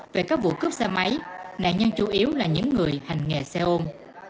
về các vụ cướp xe máy nạn nhân chủ yếu là những người hành nghề xe ôm